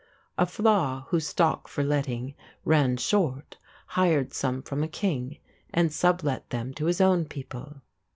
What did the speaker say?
A flaith whose stock for letting ran short hired some from a king and sublet them to his own people.